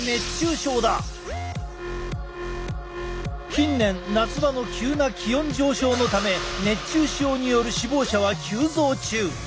近年夏場の急な気温上昇のため熱中症による死亡者は急増中！